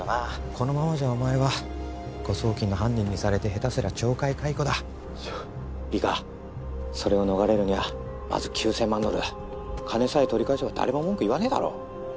このままじゃお前は誤送金の犯人にされて下手すりゃ懲戒解雇だちょ☎いいかそれを逃れるには☎まず９千万ドルだ☎金さえ取り返せば誰も文句言わねえだろ